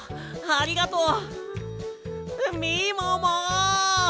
ありがとう！